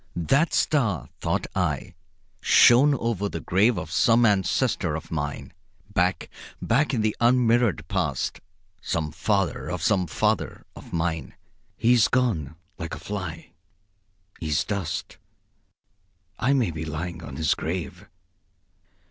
"That star," thought I, "shone over the grave of some ancestor of mine; back, back in the unmirrored past, some father of some father of mine. He is gone, like a fly. He is dust. I may be lying on his grave.